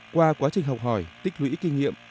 qua quá trình học hỏi tích lũy kinh nghiệm